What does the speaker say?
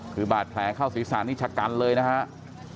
คือบาดแผลเข้าศีรษะนี่ชะกันเลยนะครับ